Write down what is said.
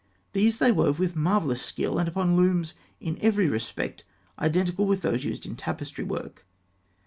These they wove with marvellous skill, and upon looms in every respect identical with those used in tapestry work.